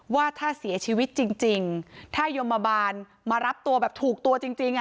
ว่าถ้าเสียชีวิตจริงจริงถ้ายมมาบานมารับตัวแบบถูกตัวจริงจริงอ่ะ